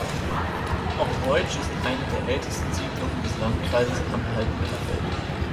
Roitzsch ist eine der ältesten Siedlungen des Landkreises Anhalt-Bitterfeld.